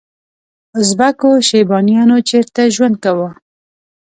ازبکو شیبانیانو چیرته ژوند کاوه؟